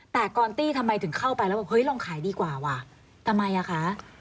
แต่กอนตี้ทำไมถึงเข้าไปแล้วแบบเฮ้ยลองขายดีกว่าว่ะทำไมอ่ะคะ